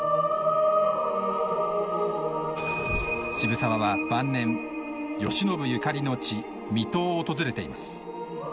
渋沢は晩年慶喜ゆかりの地水戸を訪れています。